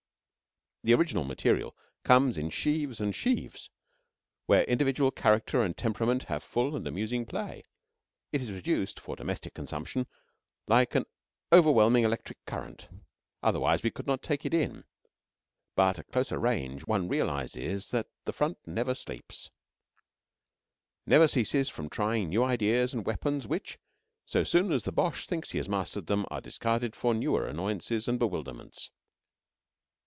The original material comes in sheaves and sheaves, where individual character and temperament have full and amusing play. It is reduced for domestic consumption like an overwhelming electric current. Otherwise we could not take it in. But at closer range one realizes that the Front never sleeps; never ceases from trying new ideas and weapons which, so soon as the Boche thinks he has mastered them, are discarded for newer annoyances and bewilderments.